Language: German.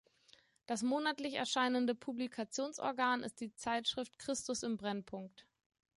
Das monatlich erscheinende Publikationsorgan ist die Zeitschrift "Christus im Brennpunkt".